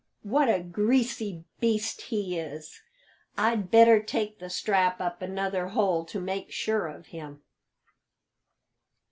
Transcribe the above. what a greasy beast he is! I'd better take the strap up another hole to make sure of him."